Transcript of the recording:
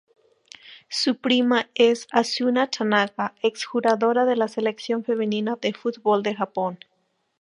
Su prima es Asuna Tanaka, ex-jugadora de la Selección femenina de fútbol de Japón.